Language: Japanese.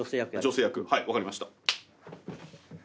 女性役はい分かりました。